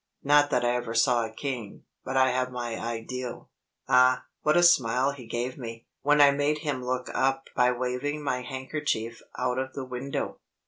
Not that I ever saw a king, but I have my ideal. Ah, what a smile he gave me, when I made him look up by waving my handkerchief out of the window!